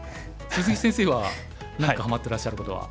鈴木先生は何かはまってらっしゃることは。